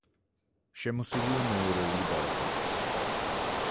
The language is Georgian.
შემოსილია მეორეული ბალახეულით.